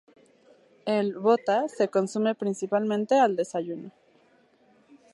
El "bota" se consume principalmente al desayuno.